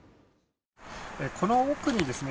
この奥にですね